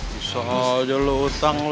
bisa aja lu utang lu